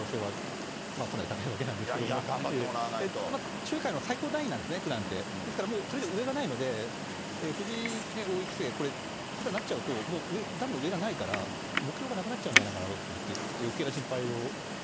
将棋界の最高段位なんですね、九段って、ですからそれ以上上がないので、藤井王位、棋聖、これ、九段になっちゃうと、もう段の上がないから、目標がなくなっちゃうんじゃないかなと思って、ちょっと余計な心